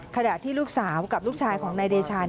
ขณะที่ลูกสาวกับลูกชายของนายเดชา